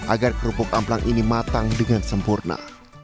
agar kerupuk amplang ini matang dengan sempurna